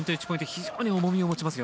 非常に重みを持ちます。